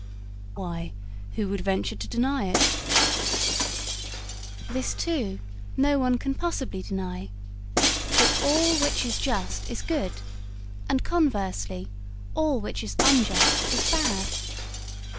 'Why, who would venture to deny it?' 'This, too, no one can possibly deny that all which is just is good, and, conversely, all which is unjust is bad.'